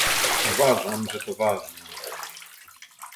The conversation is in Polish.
Uważam, że to ważne